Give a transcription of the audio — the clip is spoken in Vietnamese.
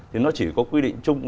thì nó chỉ có quy định chung